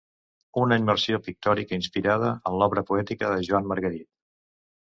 "Una immersió pictòrica inspirada en l'obra poètica de Joan Margarit"